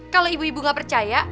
kalau ibu ibu nggak percaya